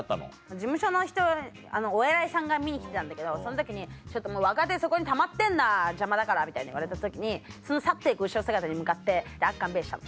事務所の人お偉いさんが見に来てたんだけどその時に「若手そこにたまってんな邪魔だから」みたいに言われた時その去って行く後ろ姿に向かってアッカンベしたの。